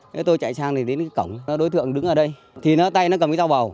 thế tôi chạy sang thì đến cái cổng đối tượng đứng ở đây thì tay nó cầm cái dao bầu